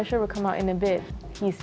usher akan keluar dalam beberapa saat